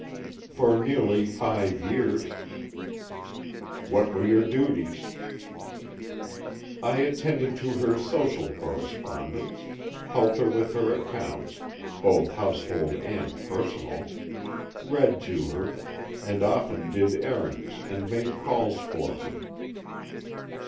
"For nearly five years." "What were your duties?" "I attended to her social correspondence; helped her with her accounts, both household and personal; read to her, and often did errands and made calls for her."